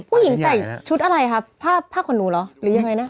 ผู้หญิงใส่ชุดอะไรครับผ้าขนหนูเหรอหรือยังไงนะ